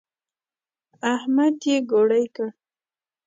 احمد يې ګوړۍ کړ.